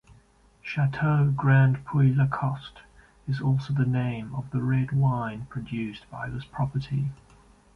Chateau Grand-Puy-Lacoste is also the name of the red wine produced by this property.